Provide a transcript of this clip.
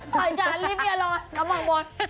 ปล่อยฉันรีบเบียร์ร้อนแล้วมองบน